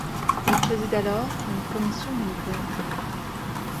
Il préside alors une commission militaire.